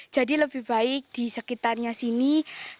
jadi lebih baik di sekitarnya sini kan udah ada apa apa